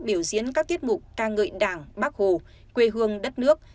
biểu diễn các tiết mục ca ngợi đảng bác hồ quê hương đất nước